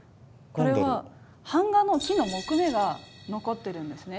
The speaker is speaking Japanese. これは版画の木の木目が残ってるんですね。